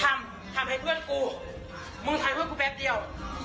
ทำให้เพื่อนกูมึงถ่ายเพื่อนกูแป๊บเดียว